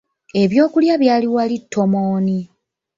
Ebyokulya byali wali ttomooni.